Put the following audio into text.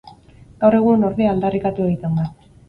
Gaur egun, ordea, aldarrikatu egiten da.